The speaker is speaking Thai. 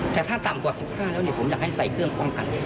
แต่ถ้าต่ำกว่า๑๕แล้วผมอยากให้ใส่เครื่องป้องกัน